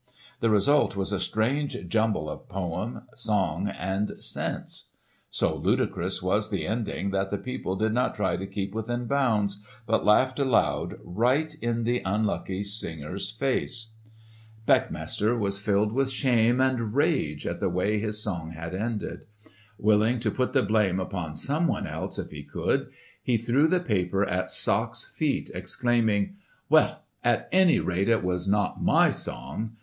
The result was a strange jumble of poem, song, and sense. So ludicrous was the ending that the people did not try to keep within bounds, but laughed aloud right in the unlucky singer's face. Beckmesser was filled with shame and rage at the way his song had ended. Willing to put the blame upon someone else if he could, he threw the paper at Sachs' feet exclaiming, "Well, at anyrate, it was not my song!